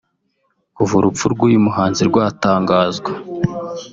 Kuva urupfu rw’uyu muhanzi rwatangazwa